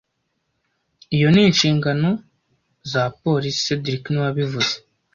Iyo ni inshingano za polisi cedric niwe wabivuze